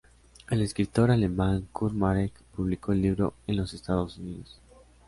El escritor alemán Kurt Marek, publicó el libro en los Estados Unidos.